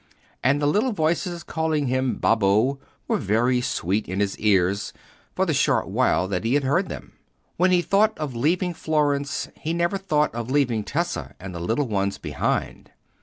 And the little voices calling him "Babbo" were very sweet in his ears for the short while that he heard them. When he thought of leaving Florence, he never thought of leaving Tessa and the little ones behind.